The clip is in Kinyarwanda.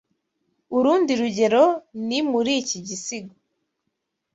Urundi rugero ni muri iki gisigo